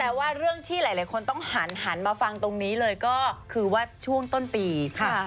แต่ว่าเรื่องที่หลายคนต้องหันมาฟังตรงนี้เลยก็คือว่าช่วงต้นปีค่ะ